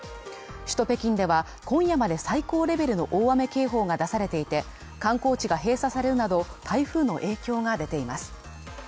首都・北京では今夜まで最高レベルの大雨警報が出されていて観光地が閉鎖されるなど、台風の影響が出ています。